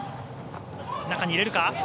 中に入れるか。